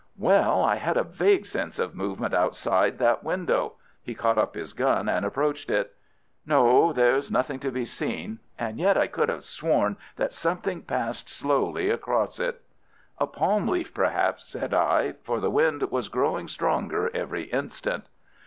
"Well, I had a vague sense of movement outside that window." He caught up his gun and approached it. "No, there's nothing to be seen, and yet I could have sworn that something passed slowly across it." "A palm leaf, perhaps," said I, for the wind was growing stronger every instant.